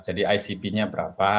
jadi icp nya berapa